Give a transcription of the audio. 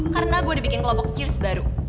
karena gue udah bikin kelompok cheers baru